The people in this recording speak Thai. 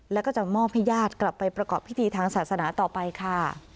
แล้วก็จะมอบให้ญาติกลับไปประกอบพิธีทางศาสนาต่อไปค่ะ